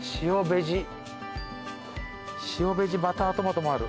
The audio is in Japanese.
塩ベジバタートマトもある。